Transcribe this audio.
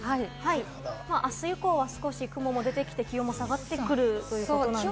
明日以降は少し雲も出てきて、気温も下がってくるということなんですね。